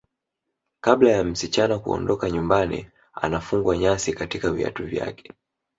Kabla ya msichana kuondoka nyumbani anafungwa nyasi katika viatu vyake